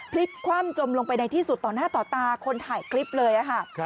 พลิกคว่ำจมลงไปในที่สุดต่อหน้าต่อตาคนถ่ายคลิปเลยค่ะ